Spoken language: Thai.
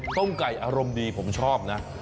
ต้มไก่อารมณ์ดีผมชอบนะ